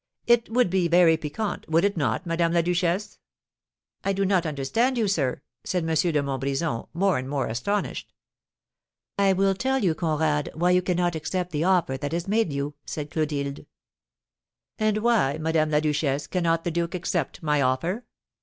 "It would be very piquant, would it not, Madame la Duchesse?" "I do not understand you, sir," said M. de Montbrison, more and more astonished. "I will tell you, Conrad, why you cannot accept the offer that is made you," said Clotilde. "And why, Madame la Duchesse, cannot the duke accept my offer?"